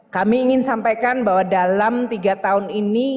kami ingin sampaikan bahwa dalam tiga tahun ini